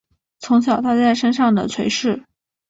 从小带在身上的垂饰